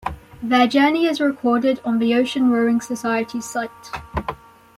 Their journey is recorded on the Ocean Rowing Society's site.